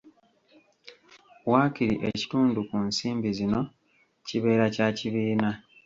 Waakiri ekitundu ku nsimbi zino kibeera kya kibiina.